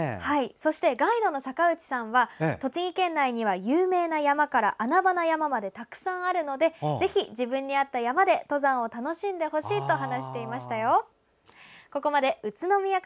ガイドの坂内さんは栃木県内には有名な山から穴場な山までたくさんあるのでぜひ、自分に合った山で登山を楽しんでほしいと話していました。